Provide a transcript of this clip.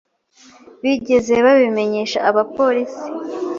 Bigeze babimenyesha abapolisi?